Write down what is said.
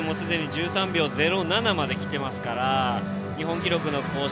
１３秒０７まで来ていますから日本記録の更新